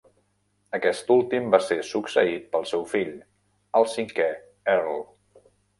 Aquest últim va ser succeït pel seu fill, el cinquè Earl.